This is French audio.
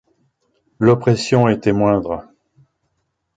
L’oppression était moindre.